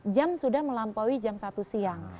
jam sudah melampaui jam satu siang